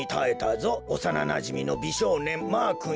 おさななじみのびしょうねんマーくんより」。